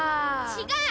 違う！